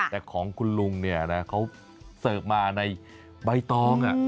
แต่ของคุณลุงเนี่ยนะเขาเสิร์ฟมาในใบตอง